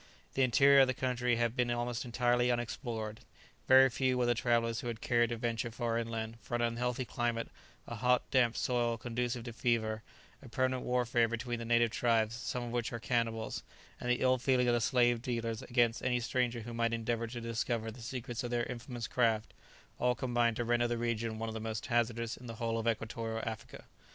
The interior of the country had been almost entirely unexplored. Very few were the travellers who had cared to venture far inland, for an unhealthy climate, a hot, damp soil conducive to fever, a permanent warfare between the native tribes, some of which are cannibals, and the ill feeling of the slave dealers against any stranger who might endeavour to discover the secrets of their infamous craft, all combine to render the region one of the most hazardous in the whole of Equatorial Africa.